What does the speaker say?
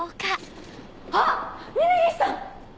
あっ峰岸さん！